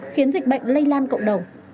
khiến dịch bệnh lây lan cộng đồng